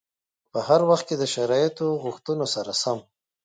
په هر وخت کې د شرایطو غوښتنو سره سم.